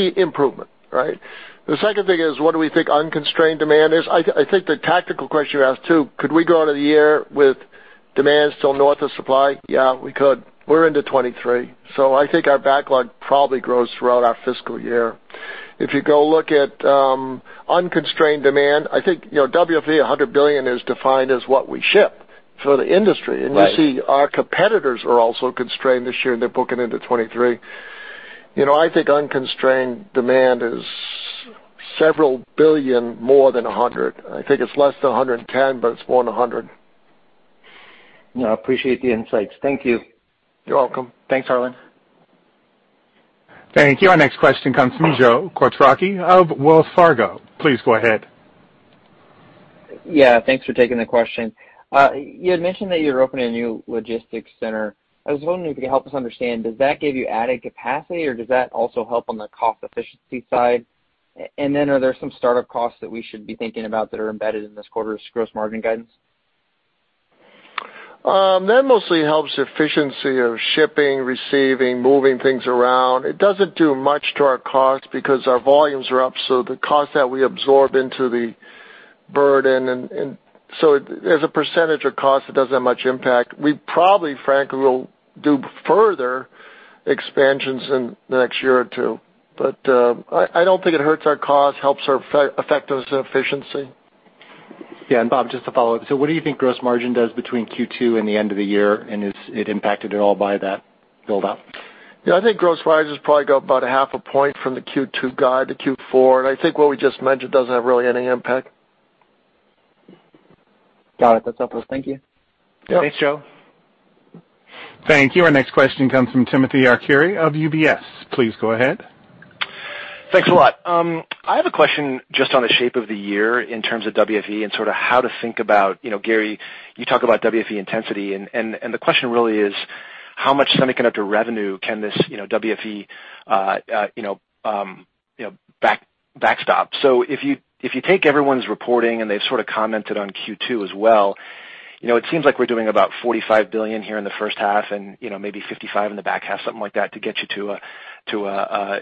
do we think unconstrained demand is. I think the tactical question you asked too, could we go into the year with demand still north of supply? Yeah, we could. We're into 2023, I think our backlog probably grows throughout our fiscal year. If you go look at unconstrained demand, I think, you know, WFE $100 billion is defined as what we ship for the industry. Right. You see our competitors are also constrained this year, and they're booking into 2023. You know, I think unconstrained demand is several billion more than $100 billion. I think it's less than $110 billion, but it's more than $100 billion. No, I appreciate the insights. Thank you. You're welcome. Thanks, Harlan. Thank you. Our next question comes from Joe Quatrochi of Wells Fargo. Please go ahead. Yeah, thanks for taking the question. You had mentioned that you're opening a new logistics center. I was wondering if you could help us understand, does that give you added capacity, or does that also help on the cost efficiency side? And then are there some startup costs that we should be thinking about that are embedded in this quarter's gross margin guidance? That mostly helps efficiency of shipping, receiving, moving things around. It doesn't do much to our costs because our volumes are up, so the cost that we absorb into the burden and as a percentage of cost, it doesn't have much impact. We probably, frankly, will do further expansions in the next year or two. I don't think it hurts our cause, helps our effectiveness and efficiency. Yeah. Bob, just to follow up, so what do you think gross margin does between Q2 and the end of the year, and is it impacted at all by that build-out? Yeah, I think gross margins probably go up about 0.5 point from the Q2 guide to Q4, and I think what we just mentioned doesn't have really any impact. Got it. That's helpful. Thank you. Yeah. Thanks, Joe. Thank you. Our next question comes from Timothy Arcuri of UBS. Please go ahead. Thanks a lot. I have a question just on the shape of the year in terms of WFE and sort of how to think about, you know, Gary, you talk about WFE intensity, and the question really is. How much semiconductor revenue can this, you know, WFE backstop? If you take everyone's reporting and they've sort of commented on Q2 as well, you know, it seems like we're doing about $45 billion here in the first half and, you know, maybe $55 billion in the back half, something like that, to get you to a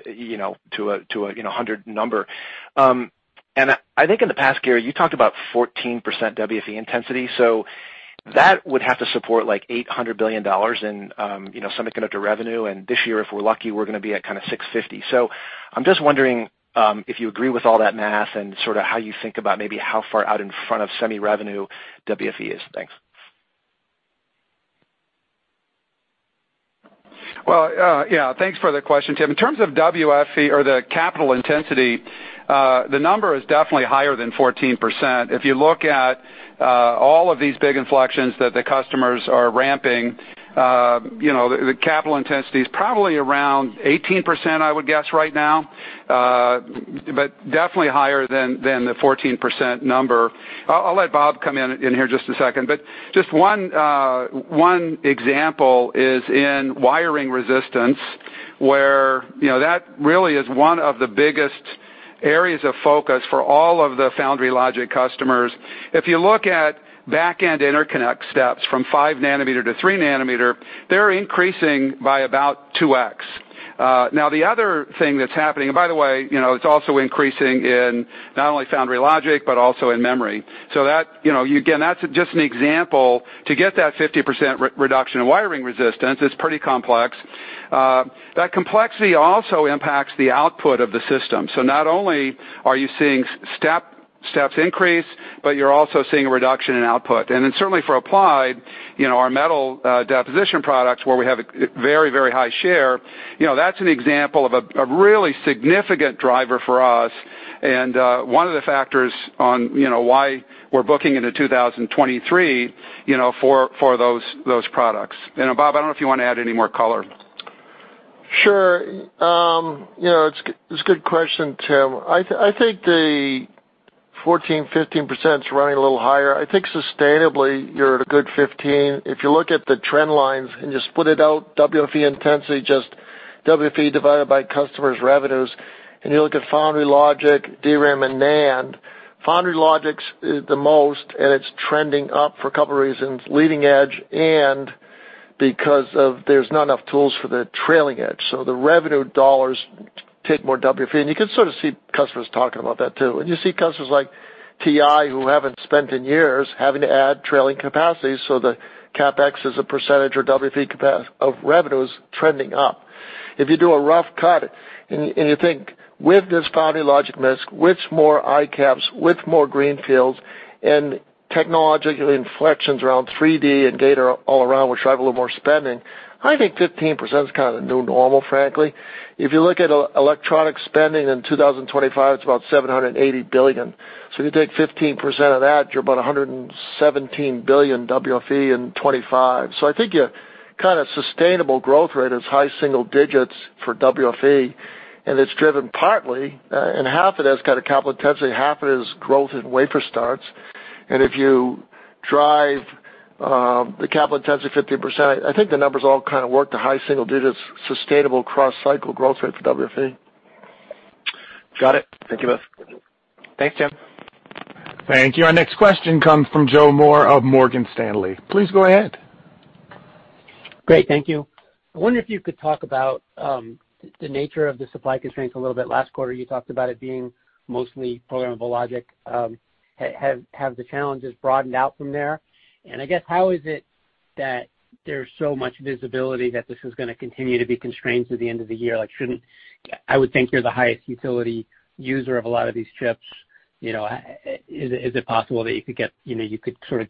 $100 number. I think in the past, Gary, you talked about 14% WFE intensity, so that would have to support, like, $800 billion in, you know, semiconductor revenue, and this year, if we're lucky, we're gonna be at kind of $650 billion. I'm just wondering, if you agree with all that math and sort of how you think about maybe how far out in front of semi revenue WFE is. Thanks. Well, thanks for the question, Tim. In terms of WFE or the capital intensity, the number is definitely higher than 14%. If you look at all of these big inflections that the customers are ramping, you know, the capital intensity is probably around 18%, I would guess right now, but definitely higher than the 14% number. I'll let Bob come in here just a second. Just one example is in wiring resistance, where, you know, that really is one of the biggest areas of focus for all of the foundry logic customers. If you look at back-end interconnect steps from 5 nm to 3 nm, they're increasing by about 2x. Now, the other thing that's happening. By the way, you know, it's also increasing in not only foundry logic but also in memory. That, you know, again, that's just an example. To get that 50% reduction in wiring resistance, it's pretty complex. That complexity also impacts the output of the system. Not only are you seeing steps increase, but you're also seeing a reduction in output. Then certainly for Applied, you know, our metal deposition products, where we have a very, very high share, you know, that's an example of a really significant driver for us and one of the factors on, you know, why we're booking into 2023, you know, for those products. Bob Halliday, I don't know if you wanna add any more color. Sure. You know, it's a good question, Tim. I think the 14, 15% is running a little higher. I think sustainably you're at a good 15%. If you look at the trend lines and just split it out, WFE intensity just WFE divided by customers' revenues, and you look at foundry logic, DRAM and NAND, foundry logic's the most, and it's trending up for a couple reasons, leading edge and because there's not enough tools for the trailing edge. So the revenue dollars take more WFE. You can sort of see customers talking about that too. You see customers like TI who haven't spent in years having to add trailing capacity, so the CapEx as a percentage or WFE of revenue is trending up. If you do a rough cut and you think with this foundry logic mix, with more ICAPS, with more greenfields and technological inflections around 3D and data all around which drive a little more spending, I think 15% is kind of the new normal, frankly. If you look at electronic spending in 2025, it's about $780 billion. You take 15% of that, you're about $117 billion WFE in 2025. I think your kind of sustainable growth rate is high single digits for WFE. It's driven partly, and half of it is kind of capital intensity, half of it is growth in wafer starts. If you drive the capital intensity 50%, I think the numbers all kind of work to high single digits, sustainable cross-cycle growth rate for WFE. Got it. Thank you both. Thanks, Tim. Thank you. Our next question comes from Joseph Moore of Morgan Stanley. Please go ahead. Great. Thank you. I wonder if you could talk about the nature of the supply constraints a little bit. Last quarter, you talked about it being mostly programmable logic. Have the challenges broadened out from there? And I guess, how is it that there's so much visibility that this is gonna continue to be constrained through the end of the year? Like, shouldn't. I would think you're the highest utility user of a lot of these chips, you know. Is it possible that you could sort of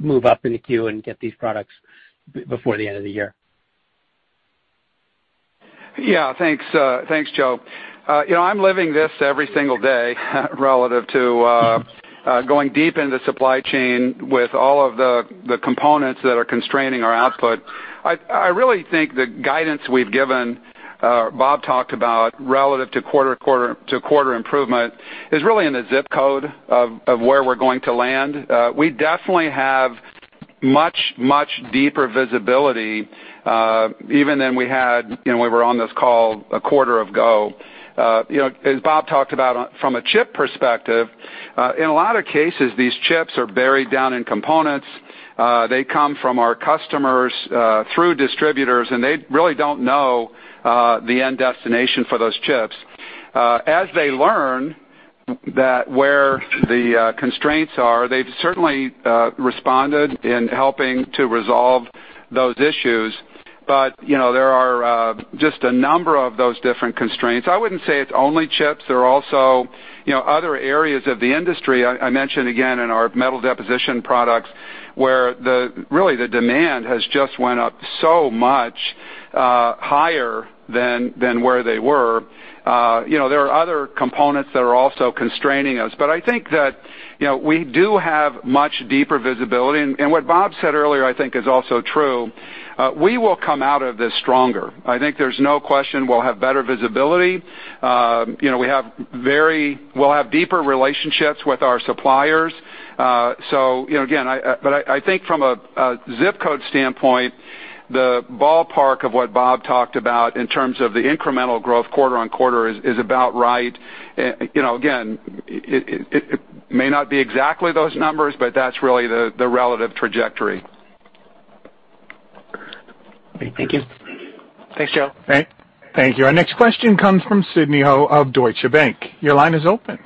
move up in the queue and get these products before the end of the year? Thanks, Joe. You know, I'm living this every single day relative to going deep into supply chain with all of the components that are constraining our output. I really think the guidance we've given. Bob talked about relative to quarter-to-quarter improvement is really in the zip code of where we're going to land. We definitely have much deeper visibility even than we had, you know, when we were on this call a quarter ago. You know, as Bob talked about, from a chip perspective, in a lot of cases, these chips are buried down in components. They come from our customers through distributors, and they really don't know the end destination for those chips. As they learn that where the constraints are, they've certainly responded in helping to resolve those issues. You know, there are just a number of those different constraints. I wouldn't say it's only chips. There are also, you know, other areas of the industry. I mentioned again in our Metal Deposition Products, where really the demand has just went up so much higher than where they were. You know, there are other components that are also constraining us. I think that, you know, we do have much deeper visibility. What Bob said earlier, I think is also true. We will come out of this stronger. I think there's no question we'll have better visibility. You know, we'll have deeper relationships with our suppliers. You know, again, I think from a zip code standpoint, the ballpark of what Bob talked about in terms of the incremental growth quarter-over-quarter is about right. You know, again, it may not be exactly those numbers, but that's really the relative trajectory. Thank you. Thanks, Joe. Thank you. Our next question comes from Sidney Ho of Deutsche Bank. Your line is open.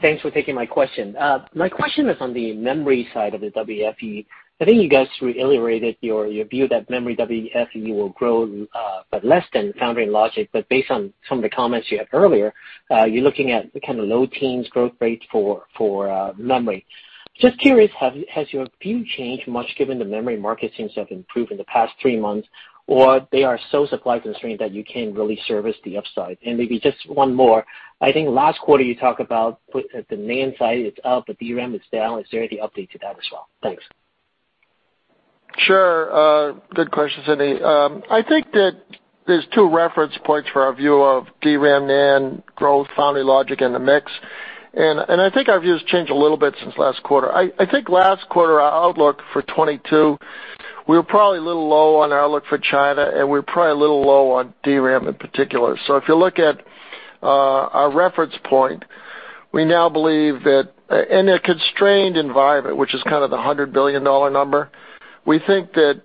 Thanks for taking my question. My question is on the memory side of the WFE. I think you guys reiterated your view that memory WFE will grow, but less than Foundry and Logic. Based on some of the comments you had earlier, you're looking at kind of low teens growth rates for memory. Just curious, has your view changed much given the memory market seems to have improved in the past three months, or they are so supply constrained that you can't really service the upside? Maybe just one more. I think last quarter you talked about the NAND side is up, but DRAM is down. Is there any update to that as well? Thanks. Sure. Good question, Sidney. I think that there's two reference points for our view of DRAM, NAND growth, Foundry, Logic, and the mix. I think our view has changed a little bit since last quarter. I think last quarter, our outlook for 2022, we were probably a little low on our outlook for China, and we're probably a little low on DRAM in particular. If you look at our reference point, we now believe that in a constrained environment, which is kind of the $100 billion number, we think that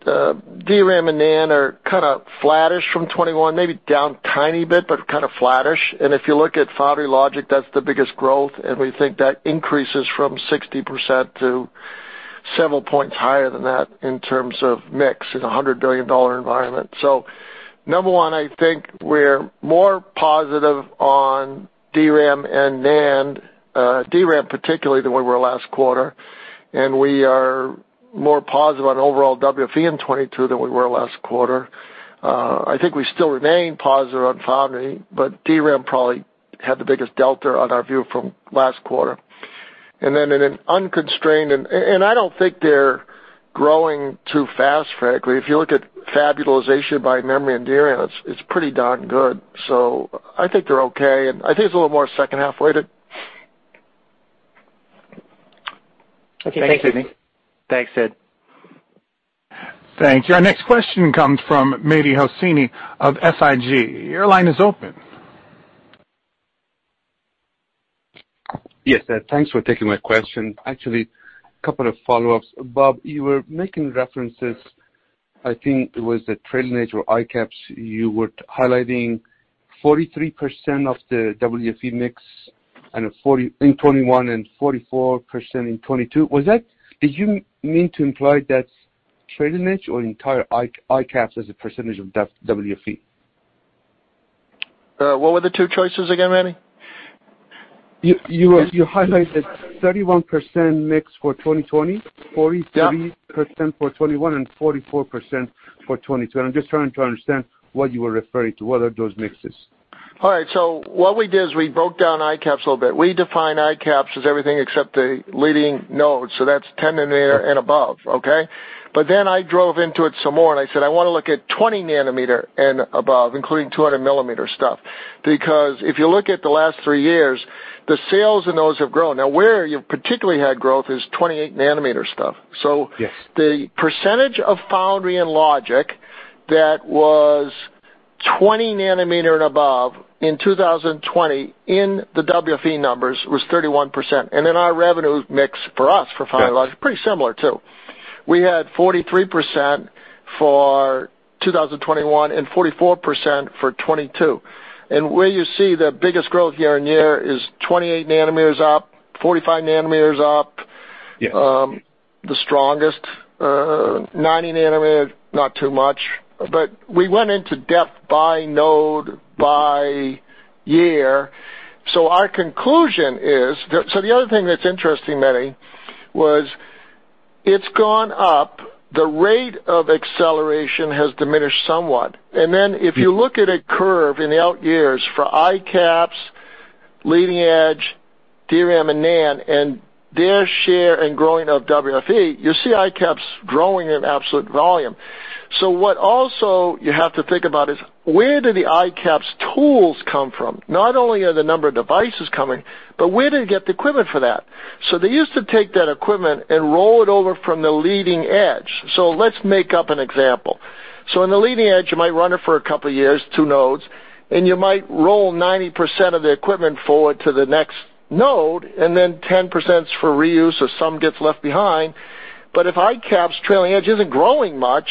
DRAM and NAND are kind of flattish from 2021, maybe down tiny bit, but kind of flattish. If you look at Foundry, Logic, that's the biggest growth, and we think that increases from 60% to several points higher than that in terms of mix in a $100 billion environment. Number one, I think we're more positive on DRAM and NAND, DRAM particularly than we were last quarter, and we are more positive on overall WFE in 2022 than we were last quarter. I think we still remain positive on Foundry, but DRAM probably had the biggest delta on our view from last quarter. In an unconstrained and I don't think they're growing too fast, frankly. If you look at fab utilization by memory and DRAM, it's pretty darn good. I think they're okay, and I think it's a little more second half-weighted. Okay. Thank you. Thanks, Sidney. Thanks, Sidney. Thank you. Our next question comes from Mehdi Hosseini of SFG. Your line is open. Yes. Thanks for taking my question. Actually, a couple of follow-ups. Bob, you were making references, I think it was the trailing edge or ICAPS, you were highlighting 43% of the WFE mix in 2021 and 44% in 2022. Did you mean to imply that trailing edge or entire ICAPS as a percentage of that WFE? What were the two choices again, Mehdi? You highlighted 31% mix for 2020. Yeah. 43% for 2021 and 44% for 2022. I'm just trying to understand what you were referring to. What are those mixes? All right, what we did is we broke down ICAPS a little bit. We define ICAPS as everything except the leading node, so that's 10 nm and above, okay? I drove into it some more, and I said, "I wanna look at 20 nm and above, including 200 millimeter stuff." Because if you look at the last 3 years, the sales in those have grown. Now where you've particularly had growth is 28 nm stuff. Yes. The percentage of foundry and logic that was 20 nm and above in 2020 in the WFE numbers was 31%. Our revenue mix for us, for foundry logic Yes. Pretty similar too. We had 43% for 2021 and 44% for 2022. Where you see the biggest growth year-on-year is 28 nm up, 45 nm up. Yes. The strongest 90-nm, not too much, but we went into depth by node by year. Our conclusion is the other thing that's interesting, Mehdi, was it's gone up. The rate of acceleration has diminished somewhat. If you look at a curve in the out years for ICAPS, leading edge, DRAM and NAND, and their share in growing of WFE, you see ICAPS growing in absolute volume. What also you have to think about is where do the ICAPS tools come from? Not only are the number of devices coming, but where do you get the equipment for that? They used to take that equipment and roll it over from the leading edge. Let's make up an example. In the leading edge, you might run it for a couple of years, 2 nodes, and you might roll 90% of the equipment forward to the next node, and then 10%'s for reuse or some gets left behind. If ICAPS trailing edge isn't growing much,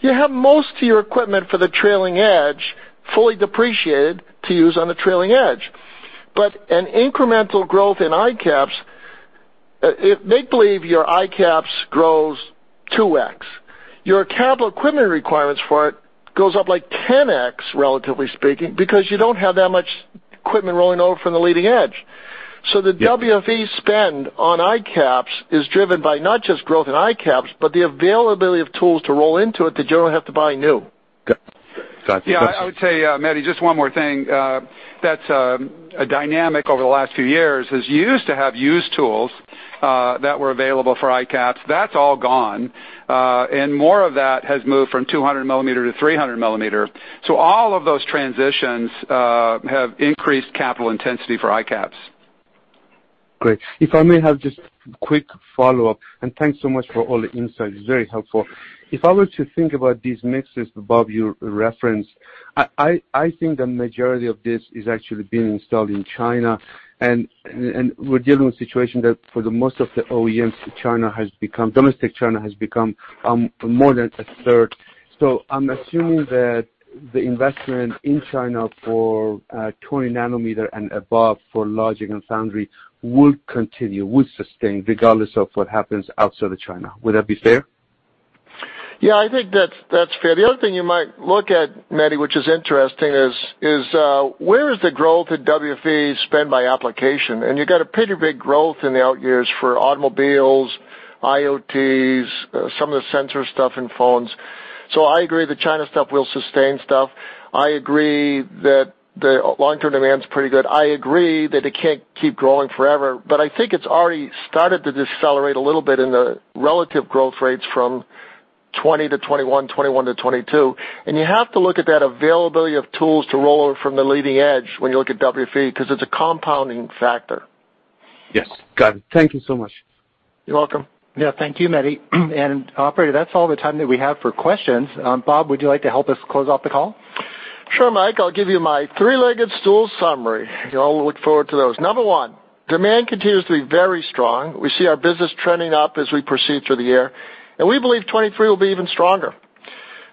you have most of your equipment for the trailing edge fully depreciated to use on the trailing edge. If an incremental growth in ICAPS, if they believe your ICAPS grows 2x, your capital equipment requirements for it goes up like 10x, relatively speaking, because you don't have that much equipment rolling over from the leading edge. Yeah. The WFE spend on ICAPS is driven by not just growth in ICAPS, but the availability of tools to roll into it that you don't have to buy new. Got it. Yeah, I would say, Mehdi, just one more thing, that's a dynamic over the last few years is you used to have tools that were available for ICAPS. That's all gone, and more of that has moved from 200 millimeter to 300 millimeter. All of those transitions have increased capital intensity for ICAPS. Great. If I may have just quick follow-up, and thanks so much for all the insight. It's very helpful. If I were to think about these mixes, Bob, you referenced, I think the majority of this is actually being installed in China and we're dealing with a situation that for the most of the OEMs, domestic China has become more than a third. So I'm assuming that the investment in China for 20 nm and above for logic and foundry will continue, will sustain regardless of what happens outside of China. Would that be fair? Yeah, I think that's fair. The other thing you might look at, Mehdi, which is interesting, where is the growth in WFE spend by application? You got a pretty big growth in the out years for automobiles, IoTs, some of the sensor stuff in phones. I agree the China stuff will sustain stuff. I agree that the long-term demand's pretty good. I agree that it can't keep growing forever, but I think it's already started to decelerate a little bit in the relative growth rates from 2020 to 2021 to 2022. You have to look at that availability of tools to roll over from the leading edge when you look at WFE because it's a compounding factor. Yes, got it. Thank you so much. You're welcome. Yeah, thank you, Mehdi. Operator, that's all the time that we have for questions. Bob, would you like to help us close off the call? Sure, Mike. I'll give you my three-legged stool summary. You all look forward to those. Number one, demand continues to be very strong. We see our business trending up as we proceed through the year, and we believe 2023 will be even stronger.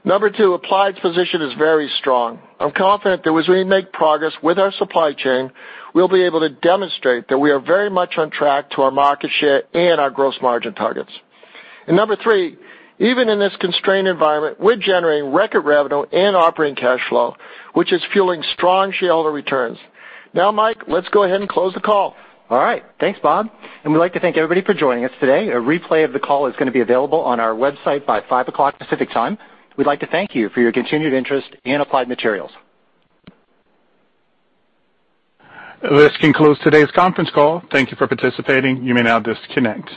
Number two, Applied's position is very strong. I'm confident that as we make progress with our supply chain, we'll be able to demonstrate that we are very much on track to our market share and our gross margin targets. Number three, even in this constrained environment, we're generating record revenue and operating cash flow, which is fueling strong shareholder returns. Now, Mike, let's go ahead and close the call. All right. Thanks, Bob. We'd like to thank everybody for joining us today. A replay of the call is gonna be available on our website by 5:00 P.M. Pacific Time. We'd like to thank you for your continued interest in Applied Materials. This concludes today's conference call. Thank you for participating. You may now disconnect.